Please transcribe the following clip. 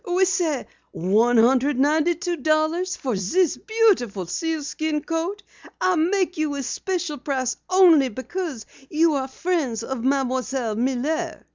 "We say one hundred and ninety two dollars for zis beautiful sealskin coat. I make you a special price only because you are friends of Mademoiselle Miller."